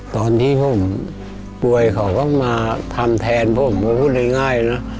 ตอนนี้ผมก็เบาหวาน